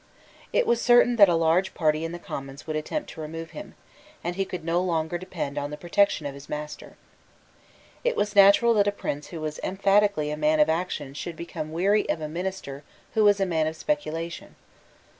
It was certain that a large party in the Commons would attempt to remove him; and he could no longer depend on the protection of his master. It was natural that a prince who was emphatically a man of action should become weary of a minister who was a man of speculation.